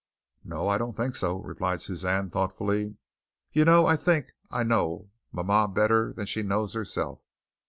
"No, I don't think so," replied Suzanne thoughtfully. "You know, I think I know mama better than she knows herself.